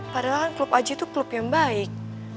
padahal kan klub aji itu klub yang baik